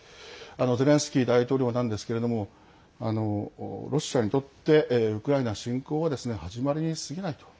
ゼレンスキー大統領なんですがロシアにとってウクライナ侵攻は始まりにすぎないと。